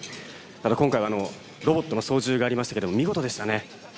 今回はロボットの操縦がありましたけども見事でしたね。